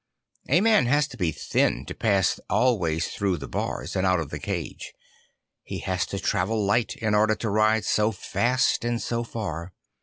A man had to be thin to pass always through the bars and out of the cage; he had to travel light in order to ride so fast and so far.